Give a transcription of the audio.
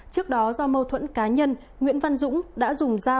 trước đó do mâu thuẫn cá nhân nguyễn văn dũng đã dùng dao